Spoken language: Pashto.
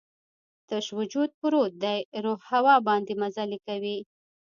تش وجود پروت دی، روح هوا باندې مزلې کوي